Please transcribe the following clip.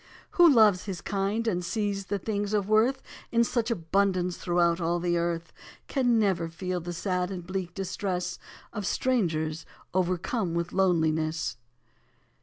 Who loves his kind and sees the things of worth In such abundance throughout all the earth, Can never feel the sad and bleak distress Of Strangers overcome with loneliness.